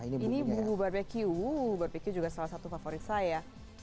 ini bumbu barbecue wuh barbeque juga salah satu favorit saya